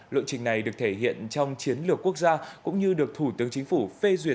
luận trình này được thể hiện trong chiến lược quốc gia cũng như được thủ tướng chính phủ